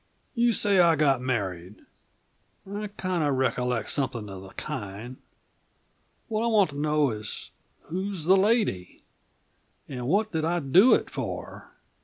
"You say I got married. I kinda recollect something of the kind. What I want to know is who's the lady? And what did I do it for?"